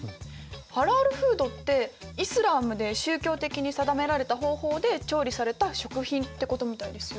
「ハラールフード」ってイスラームで宗教的に定められた方法で調理された食品ってことみたいですよ。